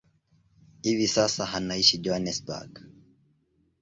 Hivi sasa anaishi Johannesburg.